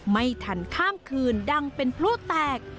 ไม่ทันข้ามคืนดังเป็นพลุแตก